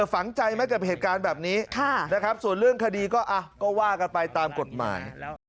ฝังใจไหมกับเหตุการณ์แบบนี้นะครับส่วนเรื่องคดีก็ว่ากันไปตามกฎหมาย